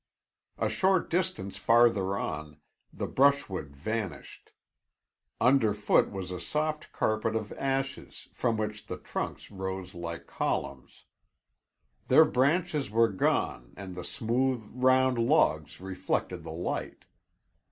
A short distance farther on, the brushwood vanished. Underfoot was a soft carpet of ashes from which the trunks rose like columns. Their branches were gone and the smooth, round logs reflected the light.